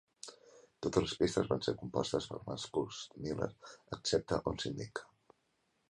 Totes les pistes van ser compostes per Marcus Miller, excepte on s'indica.